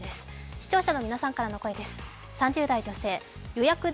視聴者の皆さんからの声です。